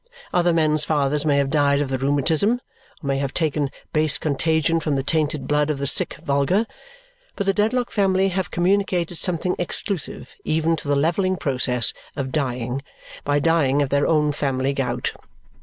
Other men's fathers may have died of the rheumatism or may have taken base contagion from the tainted blood of the sick vulgar, but the Dedlock family have communicated something exclusive even to the levelling process of dying by dying of their own family gout.